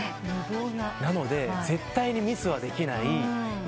なので絶対にミスはできない。